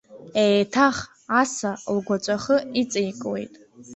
Еиҭах аса лгәаҵәахы иҵаикуеит.